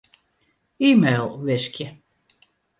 E-mail wiskje.